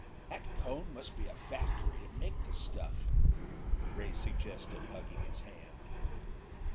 "That cone must be a factory to make the stuff." Ray suggested, hugging his hand.